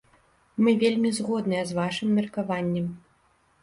Мы вельмі згодныя з вашым меркаваннем.